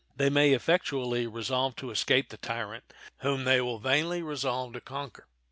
They may effectually resolve to escape the tyrant whom they will vainly resolve to conquer.